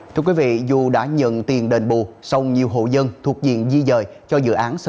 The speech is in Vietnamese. thưa quý vị dù đã nhận tiền đền bù song nhiều hộ dân thuộc diện di dời cho dự án sơ